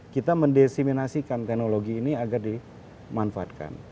kita mendesiminasikan teknologi ini agar dimanfaatkan